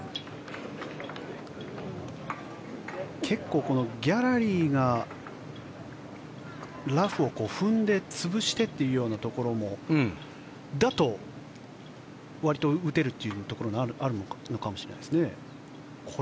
結構ギャラリーがラフを踏んで潰してというところだと割と打てるところがあるのかもしれないですね。